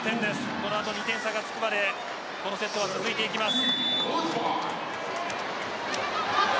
この後２点差がつくまでこのセットは続いていきます。